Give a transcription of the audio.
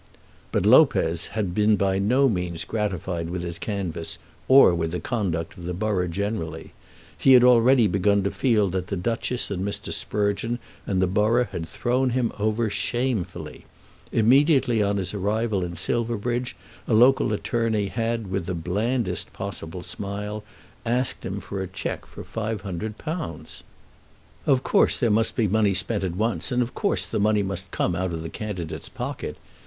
But Lopez had been by no means gratified with his canvass or with the conduct of the borough generally. He had already begun to feel that the Duchess and Mr. Sprugeon and the borough had thrown him over shamefully. Immediately on his arrival in Silverbridge a local attorney had with the blandest possible smile asked him for a cheque for £500. Of course there must be money spent at once, and of course the money must come out of the candidate's pocket.